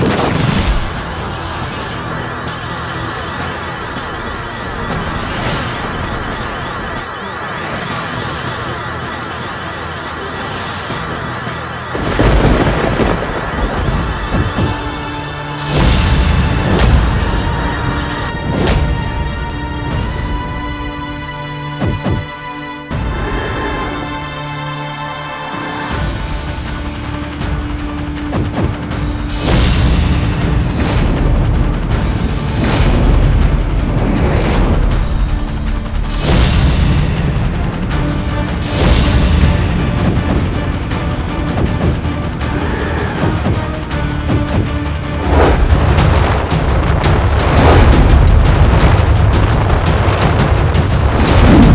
lalu kita akan menerima balasan dari perbuatanmu